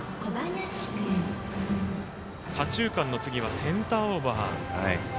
左中間の次はセンターオーバー。